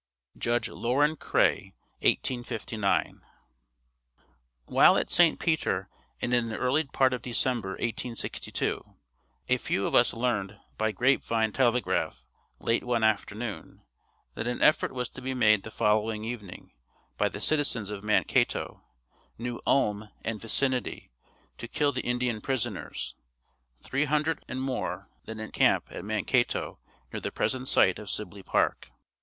Judge Lorin Cray 1859. While at St. Peter and in the early part of December, 1862 a few of us learned, by grapevine telegraph, late one afternoon, that an effort was to be made the following evening, by the citizens of Mankato, New Ulm and vicinity, to kill the Indian prisoners, three hundred and more then in camp at Mankato near the present site of Sibley Park.